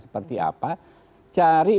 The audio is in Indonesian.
seperti apa cari